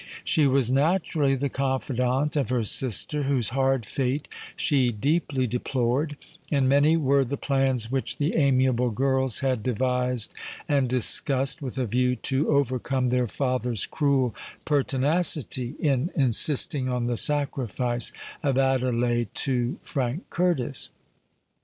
She was naturally the confidant of her sister, whose hard fate she deeply deplored; and many were the plans which the amiable girls had devised and discussed, with a view to overcome their father's cruel pertinacity in insisting on the sacrifice of Adelais to Frank Curtis.